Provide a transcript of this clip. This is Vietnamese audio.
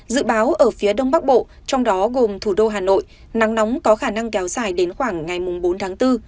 dự báo ở phía đông bắc bộ trong đó gồm thủ đô hà nội nắng nóng có khả năng kéo dài đến khoảng ngày bốn tháng bốn